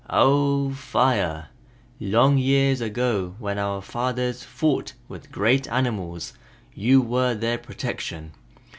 "Oh, Fire! Long years ago when our fathers fought with great animals you were their protection.